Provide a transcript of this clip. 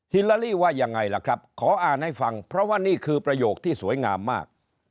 ลาลี่ว่ายังไงล่ะครับขออ่านให้ฟังเพราะว่านี่คือประโยคที่สวยงามมาก